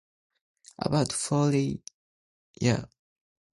This form of expressiveness is also found in "thumri" and Persian "ghazals".